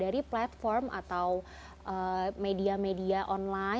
periman perempuan yang tegas dein yang tinggal di suara binatangar